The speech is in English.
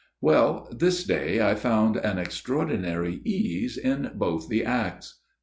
Well, this day I found an extraordinary ease in both the acts."